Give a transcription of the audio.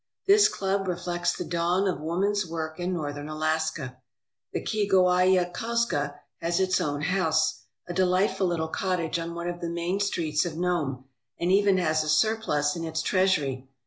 This club reflects the dawn of woman's work in northern Alaska. The Kegoayah Kozga has its own house, a delightful little cottage on one of the main streets of Nome, and even has a surplus in its treasury.